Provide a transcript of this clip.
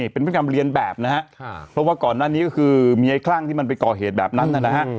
เพราะว่าก่อนหน้านี้คือมีไข่ครั่งไปก่อเหตุแบบนั้นนได้นะฮะ